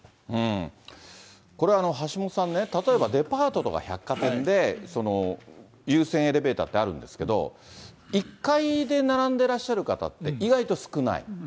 これは橋下さんね、例えばデパートとか百貨店で、優先エレベーターってあるんですけど、１階で並んでらっしゃる方って、意外と少ない。